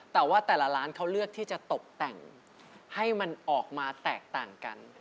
แต่ว่าแต่ละร้านเขาเลือกที่จะตกแต่งให้มันออกมาแตกต่างกัน